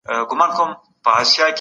تحقیقي ادب تر تخلیقي ادب ډېر دقت غواړي.